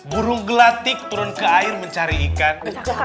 burung gelatik turun ke air mencari ikan